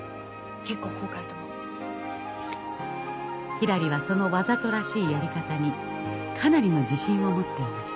ひらりはそのわざとらしいやり方にかなりの自信を持っていました。